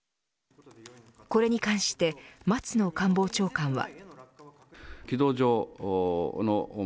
これに関して松野官房長官は。